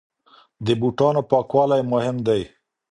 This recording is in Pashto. د بوټانو پاکوالی مهم دی.